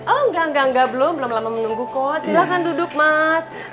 enggak enggak belum belum lama menunggu kok silahkan duduk mas